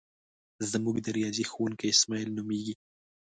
زمونږ د ریاضی ښوونکی اسماعیل نومیږي.